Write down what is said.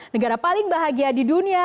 negara paling bahagia di dunia